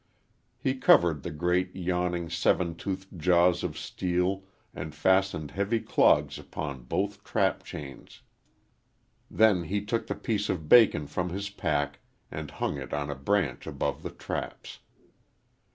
He covered the great, yawning, seven toothed jaws of steel and fastened heavy clogs upon both trap chains. Then he took the piece of bacon from his pack and hung it on a branch above the traps.